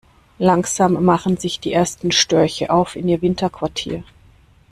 Langsam machen sich die ersten Störche auf in ihr Winterquartier.